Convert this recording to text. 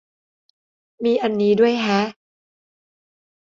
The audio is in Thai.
มีอันนี้ด้วยแฮะ